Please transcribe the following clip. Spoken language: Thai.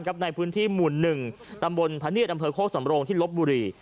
กับในพื้นที่หมุน๑ตำบลพระเนียดอำเภาโค้กสะมรงค์ที่ลบบุหรี